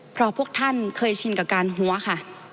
เพราะพวกท่านเคยชินกับการหัวค่ะ